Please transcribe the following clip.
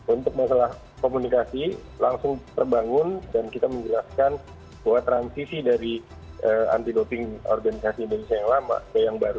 untuk masalah komunikasi langsung terbangun dan kita menjelaskan bahwa transisi dari anti doping organisasi indonesia yang lama ke yang baru